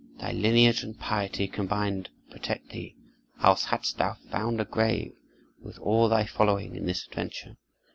Thy lineage and piety combined protect thee, else hadst thou found a grave, with all thy following, in this adventure.